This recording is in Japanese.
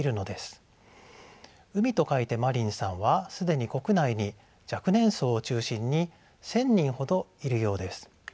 「海」と書いて「マリン」さんは既に国内に若年層を中心に１，０００人ほどいるようです。